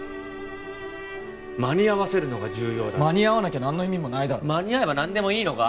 間に合わせるのが重要だって間に合わなきゃ何の意味もないだろ間に合えば何でもいいのか！？